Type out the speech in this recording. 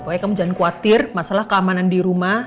pokoknya kamu jangan khawatir masalah keamanan di rumah